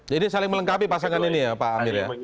saling melengkapi pasangan ini ya pak amir ya